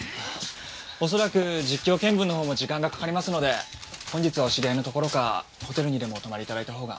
恐らく実況見分の方も時間がかかりますので本日はお知り合いのところかホテルにでもお泊まり頂いた方が。